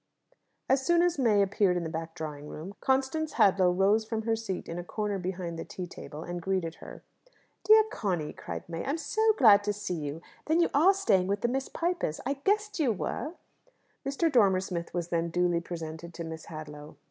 As soon as May appeared in the back drawing room, Constance Hadlow rose from her seat in a corner behind the tea table, and greeted her. "Dear Conny," cried May, "I am so glad to see you! Then you are staying with the Miss Pipers! I guessed you were." Mr. Dormer Smith was then duly presented to Miss Hadlow.